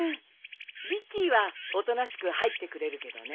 ビッキーはおとなしく入ってくれるけどね。